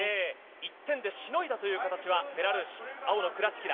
１点でしのいだという形はベラルーシ青のクラチキナ。